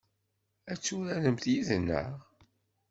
Ad turaremt yid-neɣ?